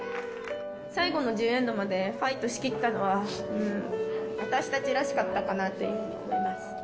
最後の１０エンドまでファイトしきったのは私たちらしかったかなと思います。